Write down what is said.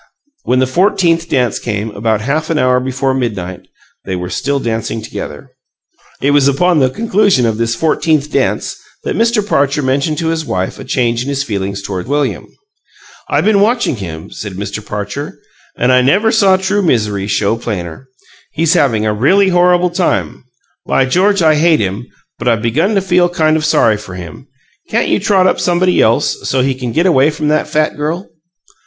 When the fourteenth dance came, about half an hour before midnight, they were still dancing together. It was upon the conclusion of this fourteenth dance that Mr. Parcher mentioned to his wife a change in his feelings toward William. "I've been watching him," said Mr. Parcher, "and I never saw true misery show plainer. He's having a really horrible time. By George! I hate him, but I've begun to feel kind of sorry for him! Can't you trot up somebody else, so he can get away from that fat girl?"